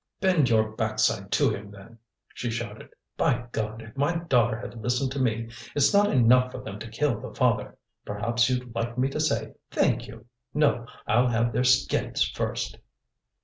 "Bend your backside to him, then," she shouted. "By God! if my daughter had listened to me! It's not enough for them to kill the father. Perhaps you'd like me to say 'thank you.' No, I'll have their skins first!"